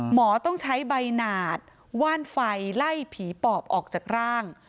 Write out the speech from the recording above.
หมอต้องใช้ใบหนาดว่านไฟไล่ผีปอบออกจากร่าง